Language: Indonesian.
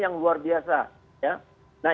yang luar biasa